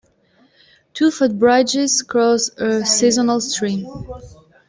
Two footbridges cross a seasonal stream.